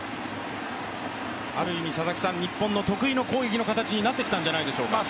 ある意味日本の得意の攻撃の形になってきたんじゃないでしょうか。